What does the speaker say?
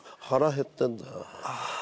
腹減ってんだよ。